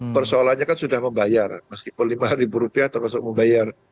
persoalannya kan sudah membayar meskipun lima ribu rupiah termasuk membayar